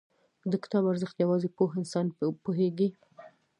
• د کتاب ارزښت، یوازې پوه انسان پوهېږي.